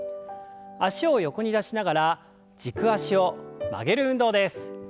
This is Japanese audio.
脚を横に出しながら軸足を曲げる運動です。